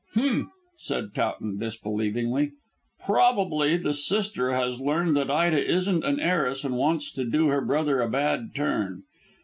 "Humph!" said Towton disbelievingly. "Probably the sister has learned that Ida isn't an heiress and wants to do her brother a bad turn.